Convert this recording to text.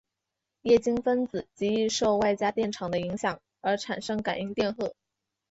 液晶分子极易受外加电场的影响而产生感应电荷。